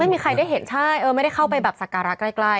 ไม่มีใครได้เห็นใช่เออไม่ได้เข้าไปแบบสักการะใกล้